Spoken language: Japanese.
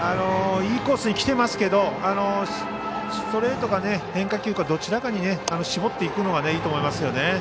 いいコースに来てますけどストレートか変化球かどちらかに絞っていくのがいいと思いますね。